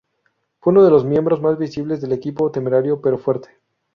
Fue uno de los miembros más visibles del equipo, temerario pero fuerte.